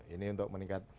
ini untuk meningkat